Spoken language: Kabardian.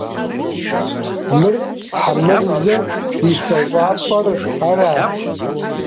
Мыр Хьэмырзэ и хэщӀапӀэр арат.